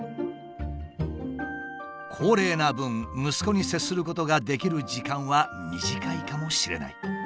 高齢な分息子に接することができる時間は短いかもしれない。